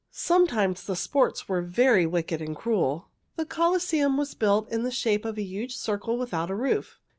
Sometimes the sports were very wicked and cruel. The Colosseum was built in the shape of a huge circle without a roof.